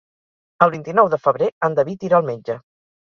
El vint-i-nou de febrer en David irà al metge.